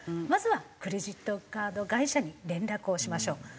まずはクレジットカード会社に連絡をしましょう。